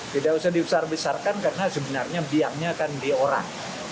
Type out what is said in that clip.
tidak usah dibesar besarkan karena sebenarnya biangnya akan diorang